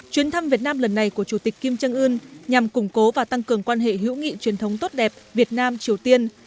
chuyến thăm việt nam lần này của chủ tịch kim trân ưn nhằm củng cố và tăng cường quan hệ hữu nghị truyền thống tốt đẹp việt nam triều tiên